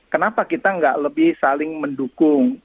kenapa kita nggak lebih saling mendukung